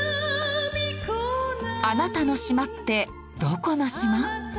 「あなたの島」ってどこの島？